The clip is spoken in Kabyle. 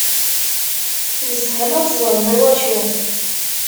Yeshel ad teẓreḍ iwacu.